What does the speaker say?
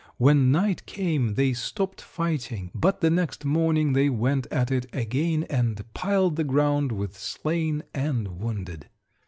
When night came they stopped fighting, but the next morning they went at it again and piled the ground with slain and wounded."